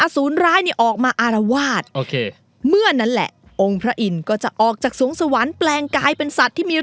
อสูร้ายนี้ออกมาอารวาส